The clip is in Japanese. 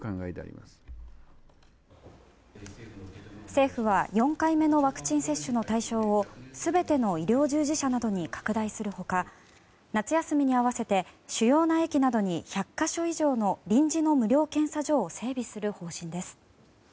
政府は４回目のワクチン接種の対象を全ての医療従事者などに拡大する他夏休みに合わせて主要な駅などに１００か所以上の臨時の無料検査所を整備する方針です。